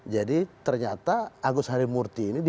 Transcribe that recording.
jadi ternyata agus harimurti ini